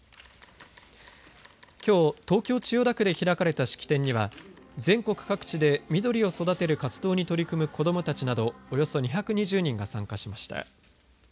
きょう、東京・千代田区で開かれた式典には全国各地で緑を育てる活動に取り組む子どもたちなどおよそ２２０人が参加しました。